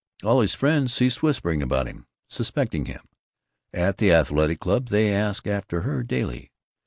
All his friends ceased whispering about him, suspecting him. At the Athletic Club they asked after her daily.